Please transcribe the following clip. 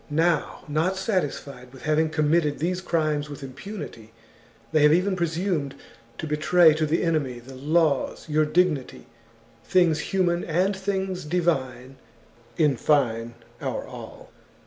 Now, not satisfied with having committed these crimes with impunity, they have even presumed to betray to the enemy the laws, your dignity, things human and things divine, in fine, our all.